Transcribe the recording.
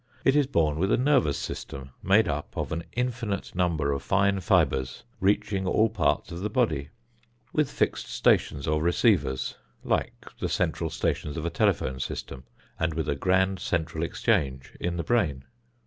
It is born with a nervous system made up of an infinite number of fine fibers reaching all parts of the body, with fixed stations or receivers like the central stations of a telephone system, and with a grand central exchange in the brain.